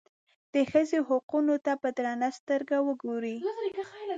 د ښځې حقونو ته په درنه سترګه وګوري.